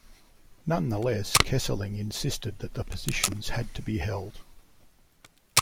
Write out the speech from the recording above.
Nonetheless, Kesselring insisted that the positions had to be held.